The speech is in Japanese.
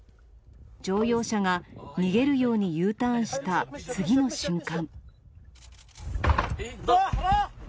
乗用車が逃げるようにＵターンした次の瞬間。